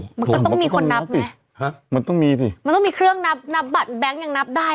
มันก็ต้องมีคนนับไงฮะมันต้องมีสิมันต้องมีเครื่องนับนับบัตรแบงค์ยังนับได้